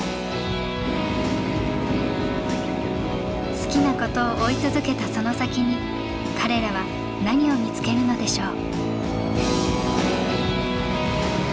好きなことを追い続けたその先に彼らは何を見つけるのでしょう。